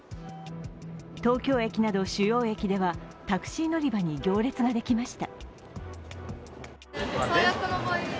東京駅など主要駅ではタクシー乗り場に行列ができました。